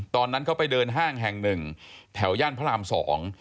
ตอนนั้นเขาไปเดินห้างแห่งหนึ่งแถวย่านพระรามสอง